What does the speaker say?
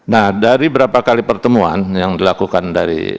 nah dari berapa kali pertemuan yang dilakukan dari